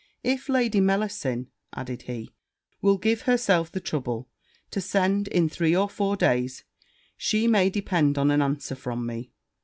If Lady Mellasin,' added he, 'will give herself the trouble to send in three or four days, she may depend on an answer from me.'